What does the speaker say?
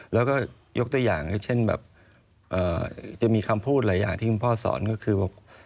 แล้วก็ยกตัวอย่างเช่นแบบจะมีคำพูดหลายอย่างที่คุณพ่อสอนก็คือบอก